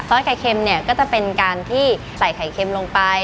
สไข่เค็มเนี่ยก็จะเป็นการที่ใส่ไข่เค็มลงไป